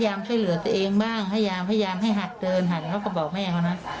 พยายามให้เหลือตัวเองบ้างพยายามให้หัดเดินหัดเขาก็บอกแม่เค้านั้น